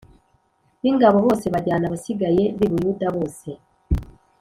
b ingabo bose bajyana abasigaye b i Buyuda bose